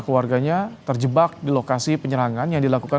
keluarganya terjebak di lokasi penyerangan yang dilakukan